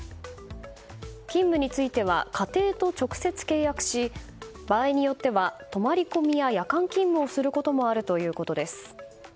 勤務については家庭と直接契約し場合によっては、泊まり込みや夜間勤務をすることもあるということです。